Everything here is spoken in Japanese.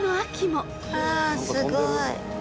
すごい。